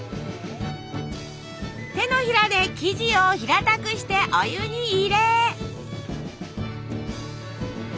手のひらで生地を平たくしてお湯に入れ。